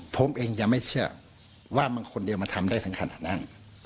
ผมเองยังไม่เชื่อว่ามันคนเดียวมันทำได้ถึงขนาดนั้น